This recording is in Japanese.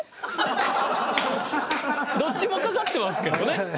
どっちもかかってますけどね。